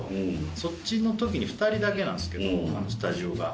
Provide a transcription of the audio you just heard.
そっちの時に２人だけなんですけどスタジオが。